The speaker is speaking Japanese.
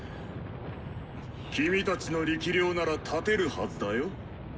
キミたちの力量なら立てるはずだよ？